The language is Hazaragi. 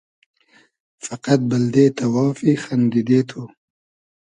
فئقئد بئلدې تئوافی خئندیدې تو